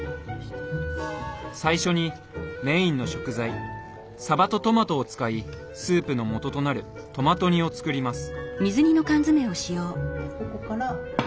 最初にメインの食材さばとトマトを使いスープのもととなるトマト煮を作ります。